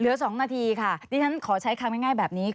เหลือสองนาทีค่ะนี่ท่านขอใช้ครั้งง่ายแบบนี้